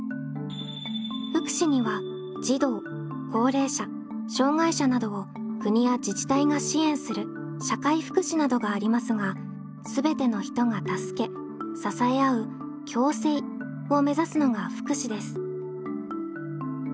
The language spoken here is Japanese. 福祉には児童高齢者障害者などを国や自治体が支援する社会福祉などがありますがすべての人が助け支え合う「共生」を目指すのが福祉です。